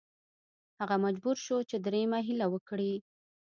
هغه مجبور شو چې دریمه هیله وکړي.